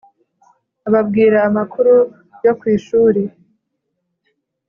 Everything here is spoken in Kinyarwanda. ababwira amakuru yo ku ishuri